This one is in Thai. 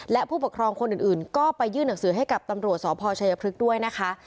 และผู้ปกครองคนอื่นก็ไปยื่นหนังสือให้กับตำรวจสพชัยพฤกษ์ด้วยนะคะ